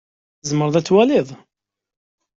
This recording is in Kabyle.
Tzemreḍ ad twaliḍ?